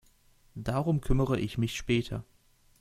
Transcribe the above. Darum kümmere ich mich später.